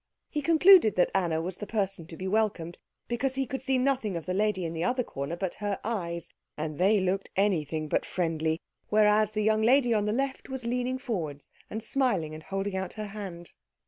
He concluded that Anna was the person to be welcomed because he could see nothing of the lady in the other corner but her eyes, and they looked anything but friendly; whereas the young lady on the left was leaning forward and smiling and holding out her hand.